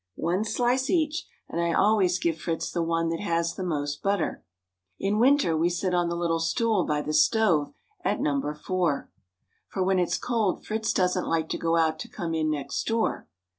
(One slice each, and I always give Fritz the one that has the most butter.) In winter we sit on the little stool by the stove at number four; For when it's cold Fritz doesn't like to go out to come in next door.